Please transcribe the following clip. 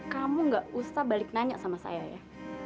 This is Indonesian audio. kamu gak usah balik nanya sama saya ya